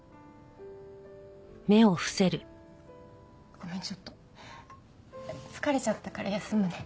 ごめんちょっと疲れちゃったから休むね。